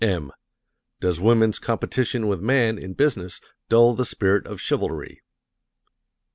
(m) "Does Woman's Competition with Man in Business Dull the Spirit of Chivalry?"